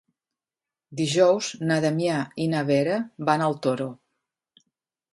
Dijous na Damià i na Vera van al Toro.